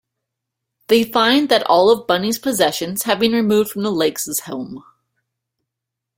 They find that all of Bunny's possessions have been removed from the Lakes' home.